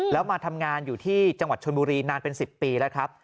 แล้วมาทำงานอยู่ที่จังหวัดชนบุรีนานเป็น๑๐ปีแล้วครับ